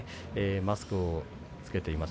マスクを着けています。